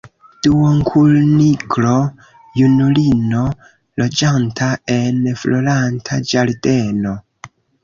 Duonkuniklo-junulino, loĝanta en Floranta Ĝardeno.